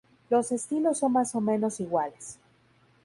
Los estilos son más o menos iguales.